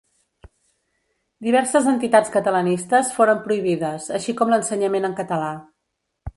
Diverses entitats catalanistes foren prohibides així com l'ensenyament en català.